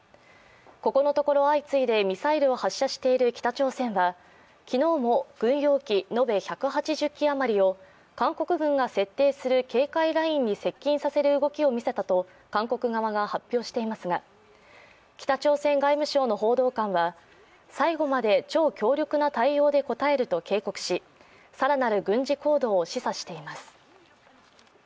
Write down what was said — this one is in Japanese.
ここのところ相次いでミサイルを発射している北朝鮮は昨日も軍用機延べ１８０機あまりを韓国軍が設定する警戒ラインに接近させる動きを見せたと韓国側が発表していますが、北朝鮮外務省の報道官は最後まで超強力な対応で応えると警告し更なる軍事行動を示唆しています。